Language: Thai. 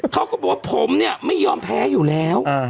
เขาก็บอกว่าผมเนี่ยไม่ยอมแพ้อยู่แล้ว